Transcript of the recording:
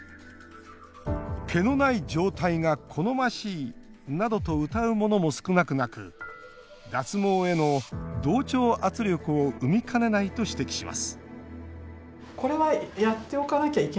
毛のない状態が好ましいなどとうたうものも少なくなく脱毛への同調圧力を生みかねないと指摘します